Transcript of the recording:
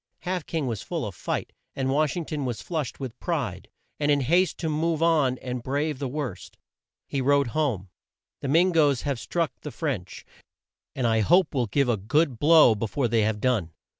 Half King was full of fight, and Wash ing ton was flushed with pride, and in haste to move on and brave the worst. He wrote home: "The Min goes have struck the French, and I hope will give a good blow be fore they have done."